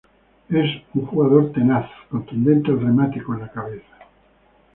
Es un jugador tenaz contundente al remate con la cabeza.